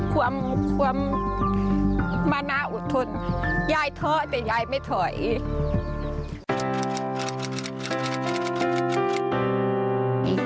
ความความมะนาอุดทนยายเถาแต่ยายไม่เถาอีก